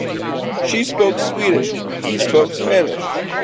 She spoke Swedish, he spoke Spanish.